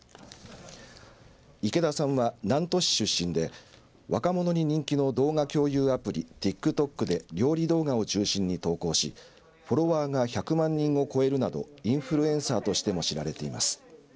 池田さんは南砺市出身で若者に人気の動画共有アプリＴｉｋＴｏｋで料理動画を中心に投稿しフォロワーが１００万人を超えるなどインフルエンサーとしても知られています。